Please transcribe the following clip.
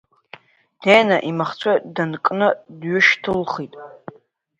Днеины имахцәы данкны дҩышьҭылхит.